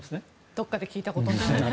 どこかで聞いたことがある。